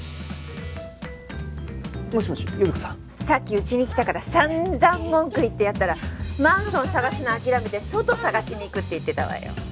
さっきうちに来たから散々文句言ってやったらマンション捜すの諦めて外捜しに行くって言ってたわよ。